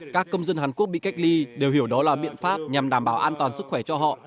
các công dân hàn quốc bị cách ly đều hiểu đó là biện pháp nhằm đảm bảo an toàn sức khỏe cho họ